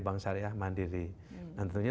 bank syariah mandiri tentunya